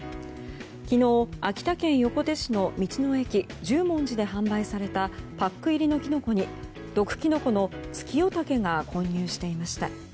昨日、秋田県横手市の道の駅十文字で販売されたパック入りのキノコに毒キノコのツキヨタケが混入していました。